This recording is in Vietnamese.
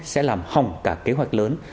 sẽ làm hỏng cả kế hoạch lớn